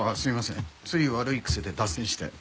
つい悪い癖で脱線して。